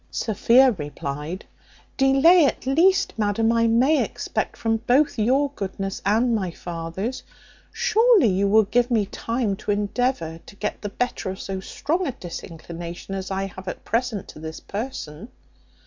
Sophia replied, "Delay at least, madam, I may expect from both your goodness and my father's. Surely you will give me time to endeavour to get the better of so strong a disinclination as I have at present to this person."